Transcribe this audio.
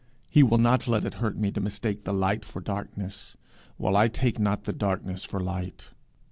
He will not let it hurt me to mistake the light for darkness, while I take not the darkness for light.